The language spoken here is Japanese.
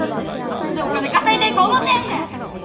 これでお金稼いでいこう思てんねん！